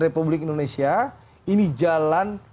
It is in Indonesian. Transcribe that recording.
republik indonesia ini jalan